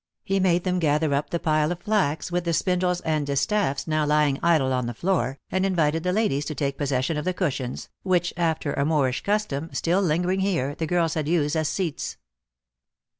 He made them gather up the pile of flax, with the spindles and distaffs now lying idle on the floor, and invited the ladies to take possession of the cushions, which, after a Moorish custom still lingering here, the girls had used as seats.